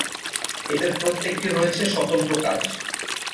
এদের প্রত্যেকটির রয়েছে স্বতন্ত্র কাজ।